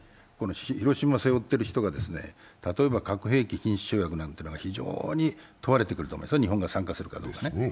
広島を背負っている人が例えば核兵器禁止条約なんていうのは非常に問われてくると思います、日本が参加するかどうか。